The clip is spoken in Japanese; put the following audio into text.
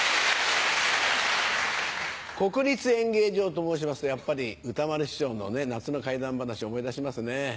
国立演芸場と申しますとやっぱり歌丸師匠の夏の怪談話思い出しますね。